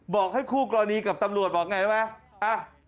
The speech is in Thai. บอกให้คู่กรณีกับตำรวจบอกอย่างไรใช่ไหม